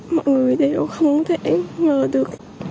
mọi người đều không thể ngờ được